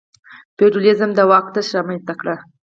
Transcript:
فیوډالېزم د واک تشه رامنځته کړه.